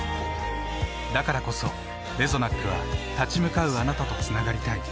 だからこそレゾナックは立ち向かうあなたとつながりたい。